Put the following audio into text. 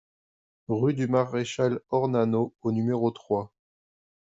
Rue du Maréchal Ornano au numéro trois